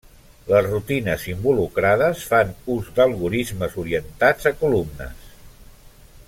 Les rutines involucrades fan ús d'algorismes orientats a columnes.